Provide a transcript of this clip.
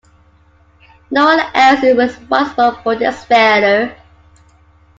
No one else is responsible for this failure.